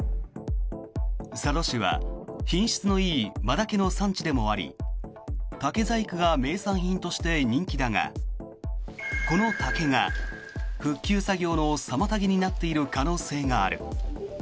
佐渡市は品質のいいマダケの産地でもあり竹細工が名産品として人気だがこの竹が復旧作業の妨げになっている可能性がある。